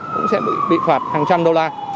cũng sẽ bị phạt hàng trăm đô la